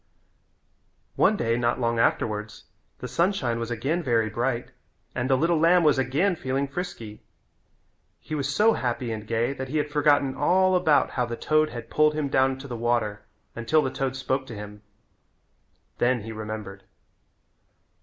One day not long afterwards the sunshine was again very bright and the little lamb was again feeling frisky. He was so happy and gay that he had forgotten all about how the toad had pulled him down to the water until the toad spoke to him. Then he remembered.